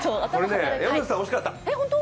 山内さん惜しかった。